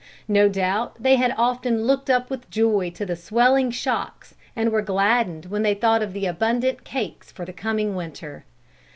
No doubt they had often looked up with joy to the swelling shocks, and were gladdened when they thought of the abundant cakes for the coming winter.